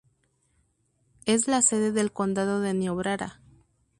Es la sede del Condado de Niobrara.